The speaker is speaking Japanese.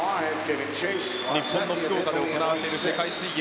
日本の福岡で行われている世界水泳。